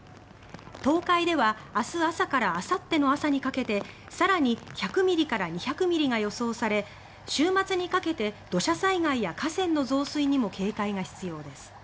東海では明日朝からあさっての朝にかけて更に１００ミリから２００ミリが予想され週末にかけて土砂災害や河川の増水にも警戒が必要です。